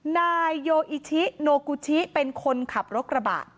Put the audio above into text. นายโยอิชิโนกูชิเป็นคนขับรถกระบะ